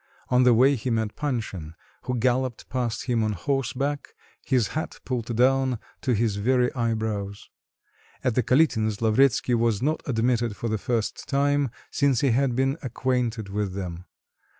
On the way he met Panshin, who galloped past him on horseback, his hat pulled down to his very eyebrows. At the Kalitins', Lavretsky was not admitted for the first time since he had been acquainted with them.